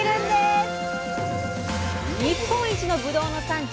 日本一のぶどうの産地